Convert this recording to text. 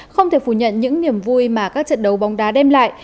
không thể phủ nhận những niềm vui mà các trận đấu bóng đá đem lại